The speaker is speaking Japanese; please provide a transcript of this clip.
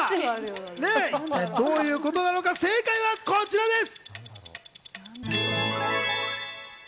どういうことなんでしょうか、正解はこちらです！